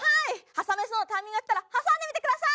挟めそうなタイミングがあったら挟んでみてください！